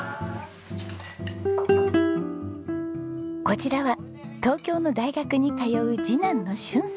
こちらは東京の大学に通う次男の駿さんです。